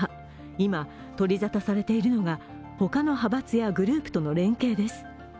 今、取り沙汰されているのが、他の派閥やグループとの連携です。